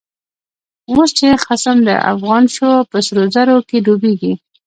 اوس چی خصم د افغان شو، په سرو زرو کی ډوبيږی